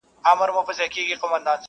دا وړانګي له خلوته ستا یادونه تښتوي-